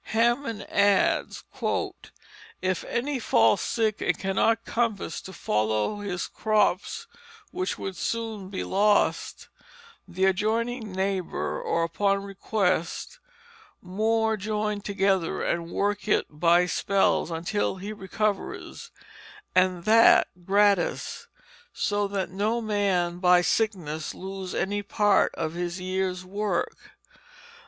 Hammond adds: "If any fall sick and cannot compass to follow his crops which would soon be lost, the adjoining neighbour, or upon request more joyn together and work it by spells, until he recovers; and that gratis, so that no man may by sickness loose any part of his year's work.